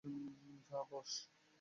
যা, বস।